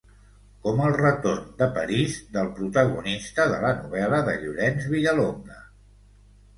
Com el retorn de París del protagonista de la novel·la de Llorenç Villalonga.